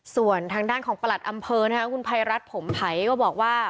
ส่วนทางด้านของประหลัดอำเภอนะคะคุณภัยรัฐผมไผ่ก็บอกว่า